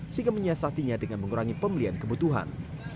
sehingga menyiasatinya dengan mengurangi pembelian kebutuhan